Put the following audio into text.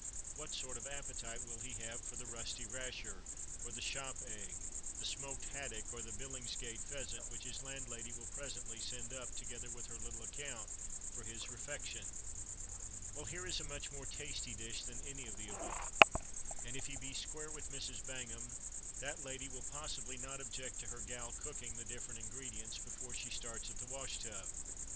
what sort of appetite will he have for the rusty rasher, or the shop egg, the smoked haddock, or the "Billingsgate pheasant," which his landlady will presently send up, together with her little account, for his refection? Well, here is a much more tasty dish than any of the above; and if he be "square" with Mrs. Bangham, that lady will possibly not object to her "gal" cooking the different ingredients before she starts at the wash tub.